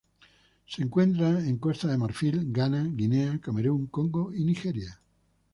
Se encuentra en Costa de Marfil, Ghana, Guinea, Camerún, Congo y Nigeria.